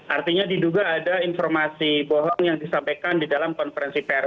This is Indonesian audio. artinya diduga ada informasi bohong yang disampaikan di dalam konferensi pers